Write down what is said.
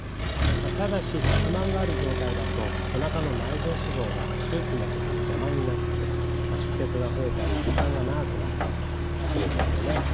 ただし肥満がある状態だとおなかの内臓脂肪が手術の時に邪魔になって出血が増えたり時間が長くなったりするんですよね。